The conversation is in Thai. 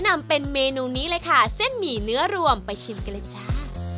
สำหรับผู้ที่เริ่มชิมนั้นเราขอแนะนำเป็นเมนูนี้เลยค่ะเส้นหมี่เนื้อรวมไปชิมกันเลยจ้า